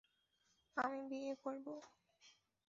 আমি বিয়ে করব!